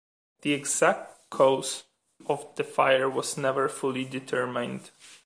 The exact cause of the fire was never fully determined.